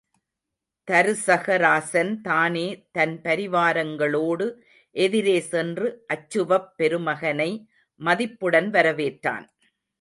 தருசகராசன் தானே தன் பரிவாரங்களோடு எதிரே சென்று அச்சுவப் பெருமகனை மதிப்புடன் வரவேற்றான்.